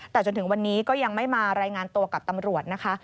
แต่จนถึงวันนี้ก็ยังไม่มารายงานตัวกับตำรวจนะคะ